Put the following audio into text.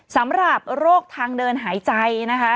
สำหรับโรคทางเดินหายใจนะคะ